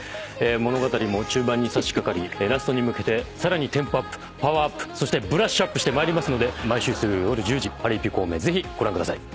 物語も中盤にさしかかりラストに向けてテンポアップパワーアップブラッシュアップしてまいりますので毎週水曜夜１０時『パリピ孔明』ぜひご覧ください。